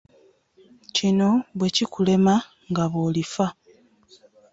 Kino bwe kikulema nga bw'olifa.